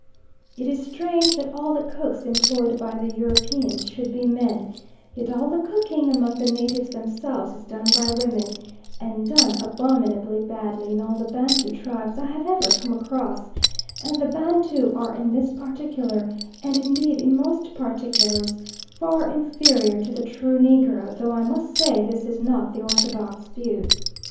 It is strange that all the cooks employed by the Europeans should be men, yet all the cooking among the natives themselves is done by women, and done abominably badly in all the Bantu tribes I have ever come across; and the Bantu are in this particular, and indeed in most particulars, far inferior to the true Negro; though I must say this is not the orthodox view.